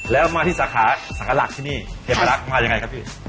แล้วมาที่สาขาสาขาหลักที่นี่เหตุปรักษณ์มาอย่างไรครับพี่